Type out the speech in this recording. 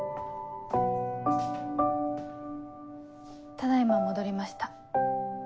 ただ今戻りました。